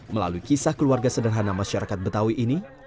melalui kisah keluarga sederhana masyarakat betawi ini